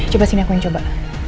coba sini aku yang coba